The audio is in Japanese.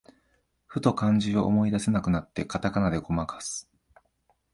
ふと漢字を思い出せなくなって、カタカナでごまかす